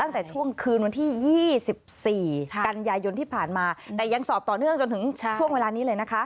ตั้งแต่ช่วงคืนวันที่๒๔กันยายนที่ผ่านมาแต่ยังสอบต่อเนื่องจนถึงช่วงเวลานี้เลยนะคะ